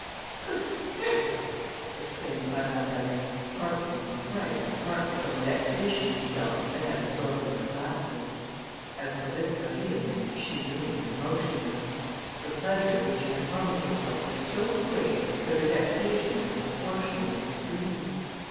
"Good heavens!" exclaimed Madame d'Alin, partly from fright, and partly from the vexation she felt at having broken her glasses. As for Victorine, she remained motionless. The pleasure which she had promised herself was so great, that her vexation was proportionally extreme.